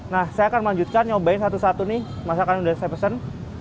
nah saya akan melanjutkan nyobain satu satu nih masakan yang sudah saya pesan